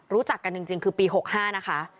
รู้จักกันจริงคือปี๖๕นะคะ